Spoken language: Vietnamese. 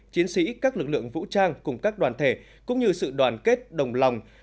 chiến sĩ các lực lượng vũ trang cùng các đoàn thể cũng như sự đoàn kết đồng lòng